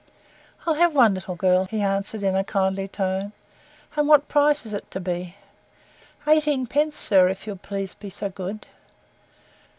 "I'll have one, little girl," he answered in a kindly tone, "and what price is it to be?" "Eighteen pence, Sir, if you'd please be so good."